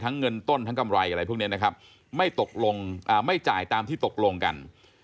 เงินต้นทั้งกำไรอะไรพวกนี้นะครับไม่ตกลงไม่จ่ายตามที่ตกลงกัน